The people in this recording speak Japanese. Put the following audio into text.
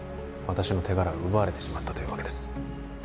私の手柄が奪われてしまったというわけです